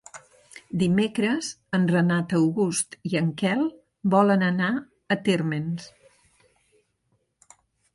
Dimecres en Renat August i en Quel volen anar a Térmens.